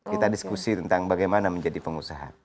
kita diskusi tentang bagaimana menjadi pengusaha